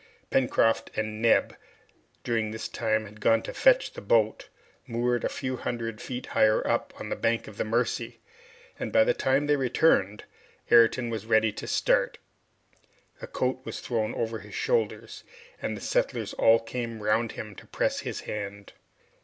Pencroft and Neb, during this time, had gone to fetch the boat, moored a few hundred feet higher up, on the bank of the Mercy, and by the time they returned, Ayrton was ready to start. A coat was thrown over his shoulders, and the settlers all came round him to press his hand.